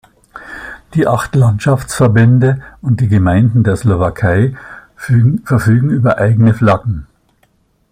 Die acht Landschaftsverbände und die Gemeinden der Slowakei verfügen über eigene Flaggen.